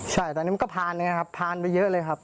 ใช่ตอนนี้มันก็พานนะครับพานไปเยอะเลยครับ